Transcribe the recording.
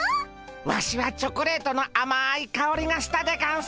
ワシはチョコレートのあまいかおりがしたでゴンス。